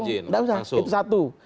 tidak usah itu satu